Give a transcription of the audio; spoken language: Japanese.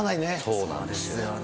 そうなんですよね。